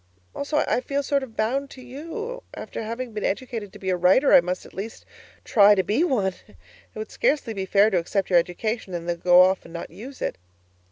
Also, I felt sort of bound to you. After having been educated to be a writer, I must at least try to be one; it would scarcely be fair to accept your education and then go off and not use it.